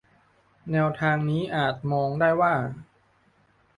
แนวทางนี้อาจมองได้ว่า